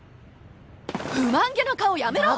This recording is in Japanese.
不満げな顔やめろ！